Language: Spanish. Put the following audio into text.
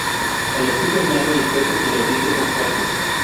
El hocico es largo y estrecho, y los dientes son fuertes.